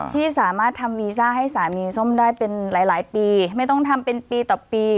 ที่สามารถทำวีซ่าให้สามีส้มได้เป็นหลายหลายปีไม่ต้องทำเป็นปีต่อปี